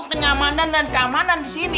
kenyamanan dan keamanan di sini